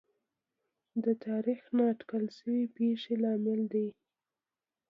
د تاریخ نااټکل شوې پېښې لامل دي.